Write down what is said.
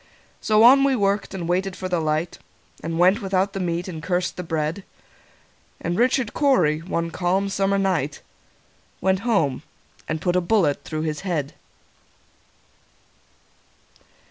So on we worked, and waited for the light, And went without the meat, and cursed the bread; And Richard Cory, one calm summer night, Went home and put a bullet through his head.